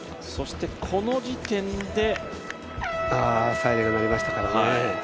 サイレンが鳴りましたからね。